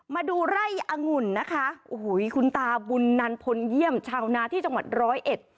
มาดูไร่องุ่นนะคะโอ้โหคุณตาบุญนันพลเยี่ยมชาวนาที่จังหวัดร้อยเอ็ด